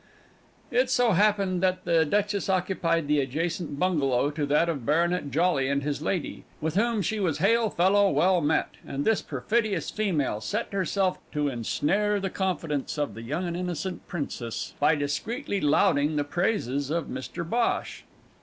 It so happened that the Duchess occupied the adjacent bungalow to that of Baronet Jolly and his lady, with whom she was hail fellow well met, and this perfidious female set herself to ensnare the confidence of the young and innocent Princess by discreetly lauding the praises of Mr Bhosh.